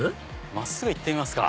真っすぐ行ってみますか。